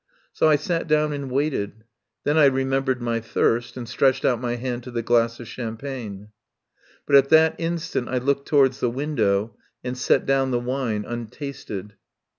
So I sat down and waited. Then I remem bered my thirst, and stretched out my hand to the glass of champagne. But at that instant I looked towards the win dow, and set down the wine untasted.